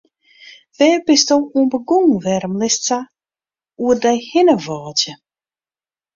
Wêr bist oan begûn, wêrom litst sa oer dy hinne wâdzje?